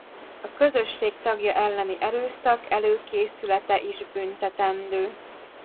A közösség tagja elleni erőszak előkészülete is büntetendő.